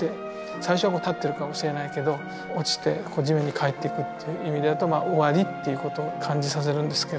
最初は立ってるかもしれないけど落ちて地面に帰っていくっていう意味だと終わりっていうことを感じさせるんですけど。